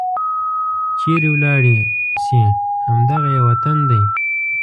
چيرې ولاړې شي؟ همد غه یې وطن دی